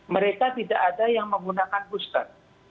mereka tidak ada yang menggunakan booster